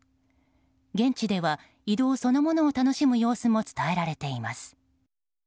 現地では、移動そのものを楽しむ様子も伝えられています。